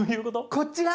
こちら。